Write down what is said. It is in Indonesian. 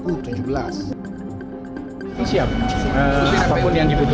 apapun yang dibutuhkan